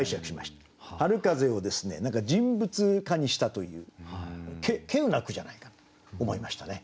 春風を人物化にしたというけうな句じゃないかと思いましたね。